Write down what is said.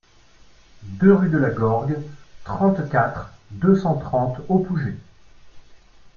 deux rue de la Gorgue, trente-quatre, deux cent trente au Pouget